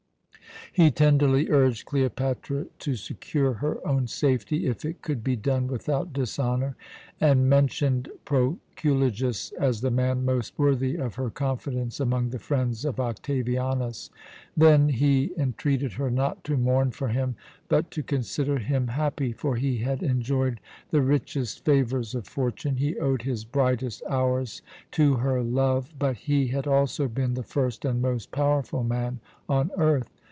He tenderly urged Cleopatra to secure her own safety, if it could be done without dishonour, and mentioned Proculejus as the man most worthy of her confidence among the friends of Octavianus. Then he entreated her not to mourn for him, but to consider him happy; for he had enjoyed the richest favours of Fortune. He owed his brightest hours to her love; but he had also been the first and most powerful man on earth.